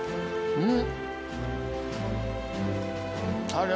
うん。